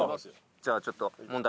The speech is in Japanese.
じゃあちょっと問題。